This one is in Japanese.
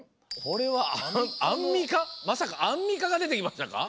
「これはアンミカ」まさかアンミカがでてきましたか！？